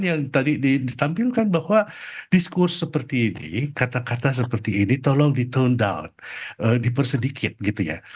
yang tadi ditampilkan bahwa diskurs seperti ini kata kata seperti ini tolong di town down dipersedikit gitu ya